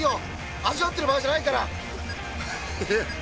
味わってる場合じゃないから。